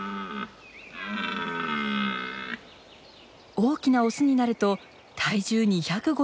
大きなオスになると体重２５０キロ。